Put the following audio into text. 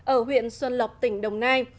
ở huyện xuân lộc tỉnh đồng nai